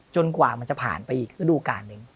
กว่ามันจะผ่านไปอีกฤดูการหนึ่ง